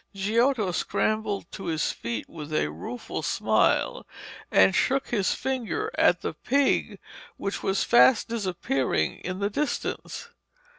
Giotto scrambled to his feet with a rueful smile, and shook his finger at the pig which was fast disappearing in the distance.